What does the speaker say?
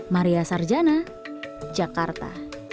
maria sarjana jakarta